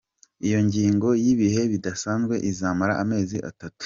Iyo ngingo y'ibihe bidasanzwe izomara amezi atatu.